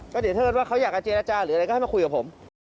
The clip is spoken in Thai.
ก็เดี๋ยวเทิดว่าเขาอยากจะเจรจาหรืออะไรก็ให้มาคุยกับผม